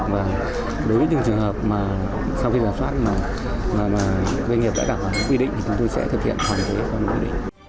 sau khi giả soát mà doanh nghiệp đã gặp quy định thì chúng tôi sẽ thực hiện hoàn thành các quy định